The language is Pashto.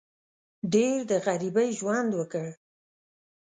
ډېر د غریبۍ ژوند وکړ.